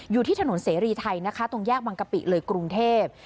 อยู่ที่ถนนเสรีไทยนะคะตรงแยกบังกะปิเลยกรุงเทพ